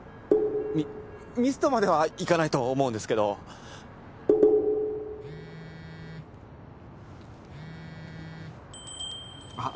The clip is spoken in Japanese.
ミミスとまではいかないと思うんですけどあっ